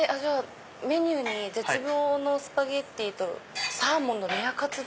メニューに絶望のスパゲティーとサーモンのレアカツ丼。